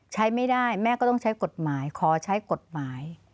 ใช้ไม่ได้แม่ก็ต้องใช้กฎหมายขอใช้กฎหมาย